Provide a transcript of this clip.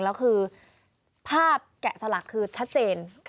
แล้วคือภาพแกะสลักคือชัดเจน